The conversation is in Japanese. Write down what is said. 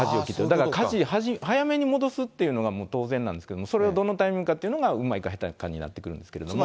だからかじ早めに戻すっていうのがもう当然なんですけれども、それをどのタイミングかっていうのが、うまいか下手かになってくるんですけども。